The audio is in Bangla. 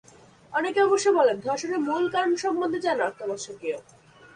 অনেকে অবশ্য বলেন, ধর্ষণের মূল কারণ সম্বন্ধে জানা অত্যাবশ্যকীয়।